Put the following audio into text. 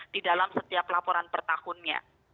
di dalam setiap laporan pertahunnya